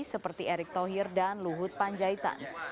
seperti erick thohir dan luhut panjaitan